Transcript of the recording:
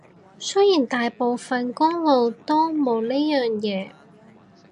雖然大部分公路都冇呢樣嘢